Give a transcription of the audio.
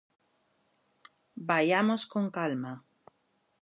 Vaiamos con calma.